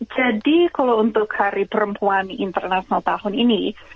jadi kalau untuk hari perempuan internasional tahun ini